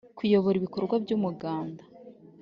kuyobora ibikorwa by umuganda